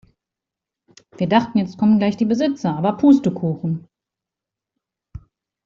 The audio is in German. Wir dachten, jetzt kommen gleich die Besitzer, aber Pustekuchen.